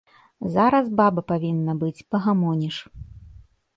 Зараз баба павінна быць, пагамоніш.